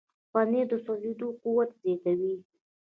پنېر د سوځېدو قوت زیاتوي.